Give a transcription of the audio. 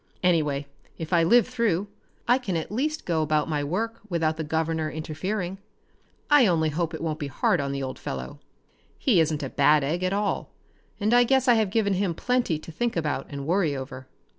Anyway, if I live through, I can at least go about my work without the governor interfering. I only hope it won't be hard on the old fellow. He isn't a bad egg at all, and I guess I have given him plenty to think about and worry over."